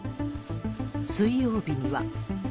水曜日には。